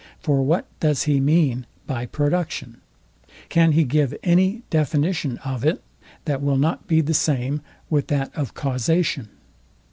For what does he mean by production? Can he give any definition of it, that will not be the same with that of causation?